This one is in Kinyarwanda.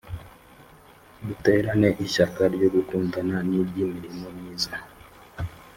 duterane ishyaka ryo gukundana n iry imirimo myiza